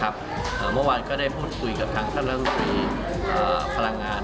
เมื่อวานก็ได้พูดคุยกับทั้งท่านรัฐงานภารการณ์